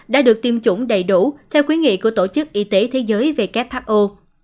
đã được tiêm chủng đầy đủ theo khuyến nghị của tổ chức y tế thế giới who